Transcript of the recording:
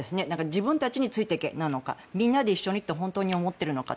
自分たちについていけなのかみんなで一緒にって本当に思っているのか。